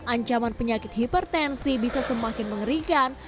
ancaman penyakit hipertensi bisa semakin mengerikan